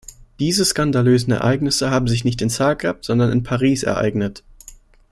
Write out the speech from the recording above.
Diese skandalösen Ereignisse haben sich nicht in Zagreb, sondern in Paris ereignet.